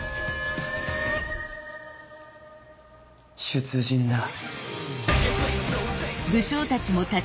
出陣だ。